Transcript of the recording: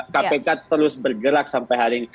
kpk terus bergerak sampai hari ini